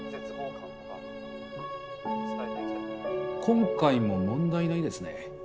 今回も問題ないですね。